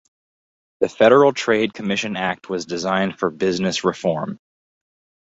The Federal Trade Commission Act was designed for business reform.